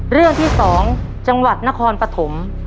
เรื่องที่๒จังหวัดนครปฐม